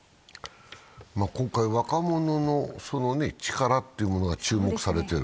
今回、若者の力というものが注目されてる。